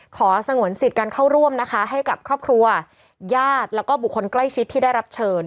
สงวนสิทธิ์การเข้าร่วมนะคะให้กับครอบครัวญาติแล้วก็บุคคลใกล้ชิดที่ได้รับเชิญ